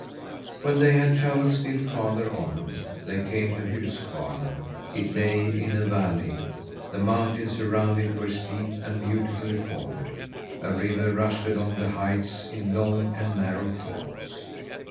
When they had travelled still farther on, they came to Huskvarna. It lay in a valley. The mountains around it were steep and beautifully formed. A river rushed along the heights in long and narrow falls.